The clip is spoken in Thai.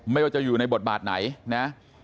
ไม่ว่าจะอยู่ในบทบาทไหนนะ